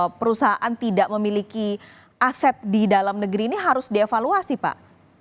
apakah perusahaan tidak memiliki aset di dalam negeri ini harus dievaluasi pak